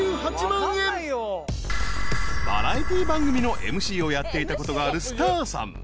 ［バラエティー番組のＭＣをやっていたことがあるスターさん］